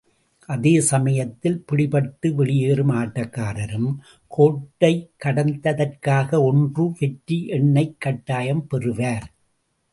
அதே சமயத்தில் பிடிபட்ட வெளியேறும் ஆட்டக்காரரும், கோட்டைக் கடந்ததற்காக ஒன்று வெற்றி எண்ணைக் கட்டாயம் பெறுவார்.